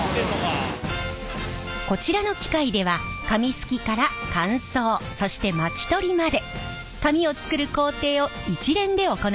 こちらの機械では紙すきから乾燥そして巻き取りまで紙を作る工程を一連で行います。